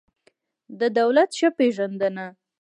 د دولت ښه پېژندنه